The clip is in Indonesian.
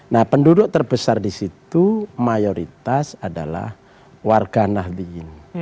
nah penduduk terbesar di situ mayoritas adalah warga nahdiyin